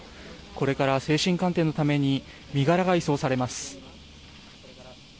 これから精神鑑定のために身柄が移送されます。